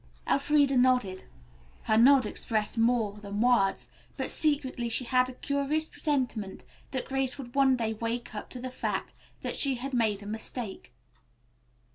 Elfreda nodded. Her nod expressed more than words, but secretly she had a curious presentiment that Grace would one day wake up to the fact that she had make a mistake.